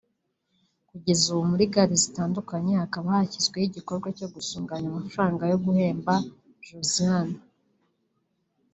Kugeza ubu muri za gare zitandukanye hakaba hashyizweho igikorwa cyo gusuganya amafaranga yo guhemba Josiane